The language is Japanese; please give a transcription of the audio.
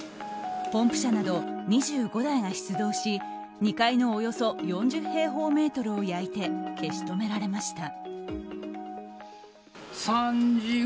ポンプ車など２５台が出動し２階のおよそ４０平方メートルを焼いて消し止められました。